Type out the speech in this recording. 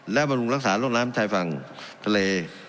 และบำรุงรักษาโรคน้ำชายฝั่งทะเล